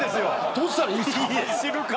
どうしたらいいですか？